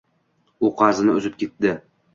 U qarzini uzib ketdi.